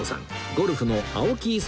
ゴルフの青木功